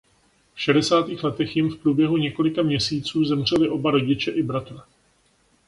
V šedesátých letech jim v průběhu několika měsíců zemřeli oba rodiče i bratr.